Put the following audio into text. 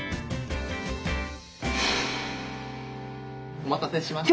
お待たせしました。